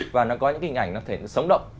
và nó có những hình ảnh nó thể nó sống động